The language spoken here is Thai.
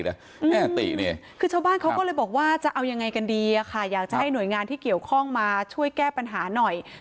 ช้างป่าน่ะคือตินี้ไปทำยิ่งถามป้าก็ยิ่งขึ้นใช่ติถามอ้าวป้าไม่เลี้ยงหมาเพียก